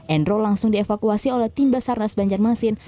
endro langsung dievakuasi oleh tim basarnas banjarmasin